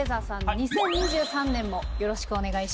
２０２３年もよろしくお願いします。